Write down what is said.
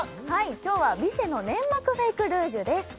今日はヴィセのネンマクフェイクルージュです